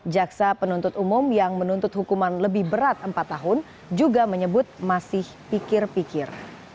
jaksa penuntut umum yang menuntut hukuman lebih berat empat tahun juga menyebut masih pikir pikir